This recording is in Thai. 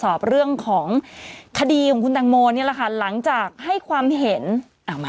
สอบเรื่องของคดีของคุณตังโมนี่แหละค่ะหลังจากให้ความเห็นอ่ามา